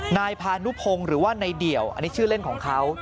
นายพานุพงศ์หรือว่านายเดี่ยวอันนี้ชื่อเล่นของเขา